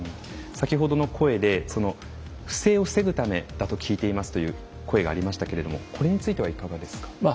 先ほどの声で「不正を防ぐためだと聞いています」という声がありましたけどもこれについてはいかがですか。